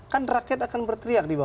kan rakyat akan berteriak